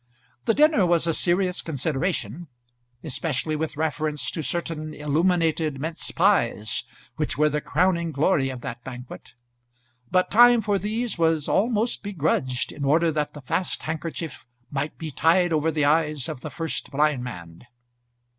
The dinner was a serious consideration, especially with reference to certain illuminated mince pies which were the crowning glory of that banquet; but time for these was almost begrudged in order that the fast handkerchief might be tied over the eyes of the first blindman.